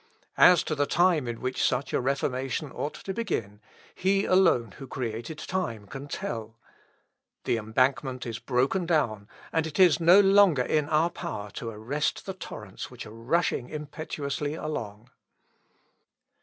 As to the time in which such a reformation ought to begin, He alone who created time can tell.... The embankment is broken down, and it is no longer in our power to arrest the torrents which are rushing impetuously along."